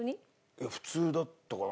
いや普通だったかな？